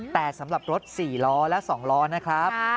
แต่สำหรับรถ๔ล้อและ๒ล้อนะครับ